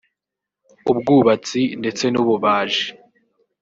ubwubatsi ndetse n’ububaji